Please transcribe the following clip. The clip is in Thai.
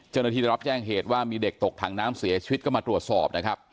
ได้รับแจ้งเหตุว่ามีเด็กตกถังน้ำเสียชีวิตก็มาตรวจสอบนะครับ